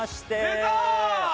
「出た」？